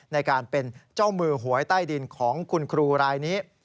ในการเป็นเจ้ามือหวยใต้ดินของคุณครูรายนี้